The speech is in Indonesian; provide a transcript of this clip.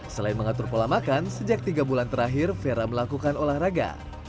selain mengatur pola makan sejak tiga bulan terakhir vera melakukan olahraga